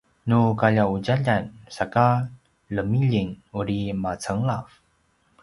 nu kalja’udjaljan saka lemiljing uri macenglav